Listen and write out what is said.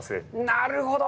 なるほど。